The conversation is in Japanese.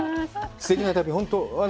すてきな旅、本当